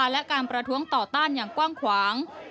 และการประท้วงต่อต้านอย่างกว้างขวาง